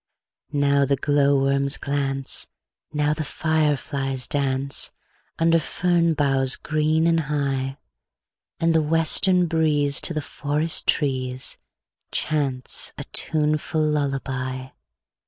Now the glowworms glance, Now the fireflies dance, Under fern boughs green and high; And the western breeze To the forest trees Chants a tuneful lullaby.